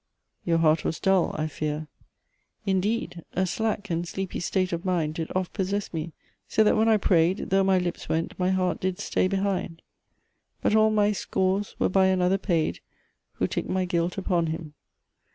"Your heart was dull, I fear." Indeed a slack and sleepy state of mind Did oft possess me; so that when I pray'd, Though my lips went, my heart did stay behind. But all my scores were by another paid, Who took my guilt upon him.